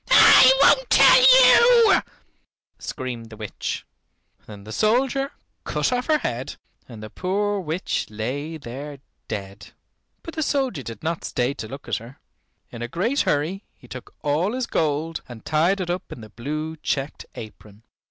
"I won't tell you," screamed the witch. Then the soldier cut off her head, and the poor witch lay there dead. But the soldier did not stay to look at her. In a great hurry he took all his gold and tied it up in the blue checked apron.